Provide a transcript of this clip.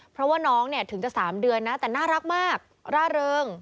เพราะว่าน้องเนี่ยถึงจะ๓เดือนนะแต่น่ารักมากร่าเริง